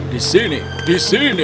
di sini di sini